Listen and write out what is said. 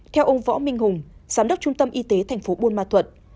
theo ông võ minh hùng giám đốc trung tâm y tế tp buôn ma thuận